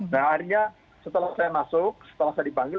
nah akhirnya setelah saya masuk setelah saya dipanggil